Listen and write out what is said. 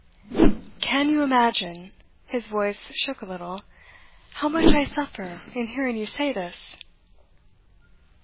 'Can you imagine,' his voice shook a little, 'how much I suffer in hearing you say this?